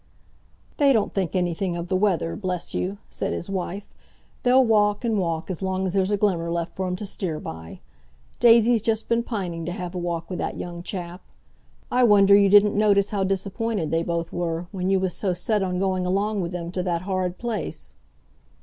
"They don't think anything of the weather, bless you!" said his wife. "They'll walk and walk as long as there's a glimmer left for 'em to steer by. Daisy's just been pining to have a walk with that young chap. I wonder you didn't notice how disappointed they both were when you was so set on going along with them to that horrid place."